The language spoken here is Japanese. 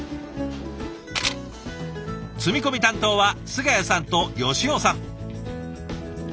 積み込み担当は菅谷さんと吉尾さん。